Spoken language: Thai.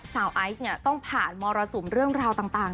ไอซ์เนี่ยต้องผ่านมรสุมเรื่องราวต่าง